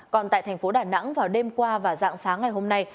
còn tại tp đà nẵng vào đêm qua và dạng sáng ngày hôm nay